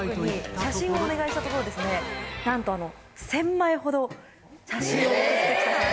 写真をお願いしたところ、なんと１０００枚ほど、写真が送られてきたと。